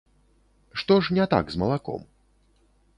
Што ж не так з малаком?